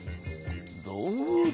どうだ！